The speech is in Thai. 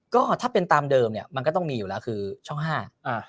ก็ถ้าเป็นตามเดิมเนี้ยมันก็ต้องมีอยู่แล้วคือช่องห้าอ่า